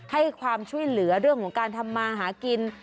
ให้ความช่วยเหลือเรื่องของการทำมาหากิน